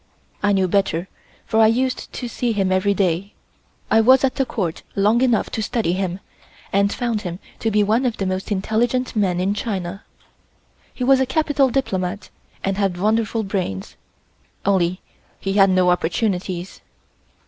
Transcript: I knew better, for I used to see him every day. I was at the Court long enough to study him, and found him to be one of the most intelligent men in China. He was a capital diplomat and had wonderful brains, only he had no opportunities.